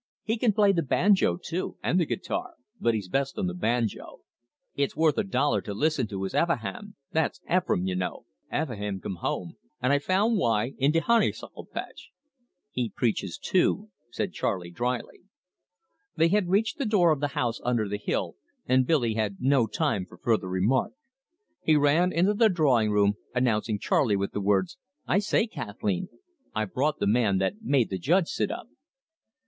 He can play the banjo too, and the guitar but he's best on the banjo. It's worth a dollar to listen to his Epha haam that's Ephraim, you know Ephahaam Come Home,' and 'I Found Y' in de Honeysuckle Paitch.'" "He preaches, too!" said Charley drily. They had reached the door of the house under the hill, and Billy had no time for further remark. He ran into the drawing room, announcing Charley with the words: "I say, Kathleen, I've brought the man that made the judge sit up."